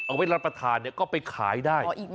เอาไว้รับประทานก็ไปขายได้